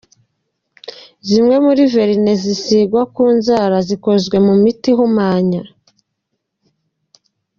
Zimwe muri verine zisigwa ku nzara zikozwe mu miti ihumanya